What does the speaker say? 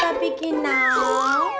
sampai jumpa lagi